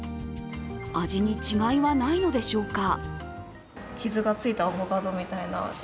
味に違いはないのでしょうか？